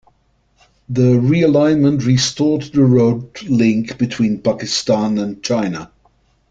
The realignment restored the road link between Pakistan and China.